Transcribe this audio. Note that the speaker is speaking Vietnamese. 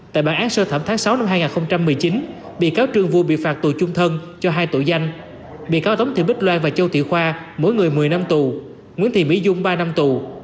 tại bản án sơ thẩm tháng sáu năm hai nghìn một mươi chín bị cáo trương vụ bị phạt tù chung thân cho hai tội danh bị cáo tống thị bích loan và châu thị khoa mỗi người một mươi năm tù nguyễn thị mỹ dung ba năm tù